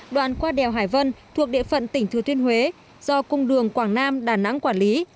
đoạn qua đèo hải vân thuộc địa phận tỉnh thừa thiên huế do cung đường quảng nam đà nẵng quản lý